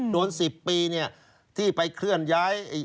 โดน๑๐ปีที่ไปเคลื่อนย้าย